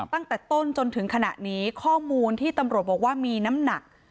ตั้งแต่ต้นจนถึงขณะนี้ข้อมูลที่ตำรวจบอกว่ามีน้ำหนัก